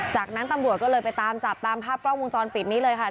จากนั้นตำรวจก็เลยไปตามจับตามภาพกล้องวงจรปิดนี้เลยค่ะ